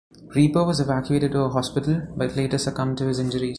Repo was evacuated to a hospital, but later succumbed to his injuries.